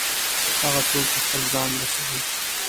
هغه څوک چې خپل ځان رسوي.